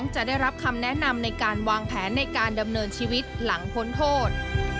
จะได้รับคำแนะนำในการวางแผนในการดำเนินชีวิตหลังพ้นโทษ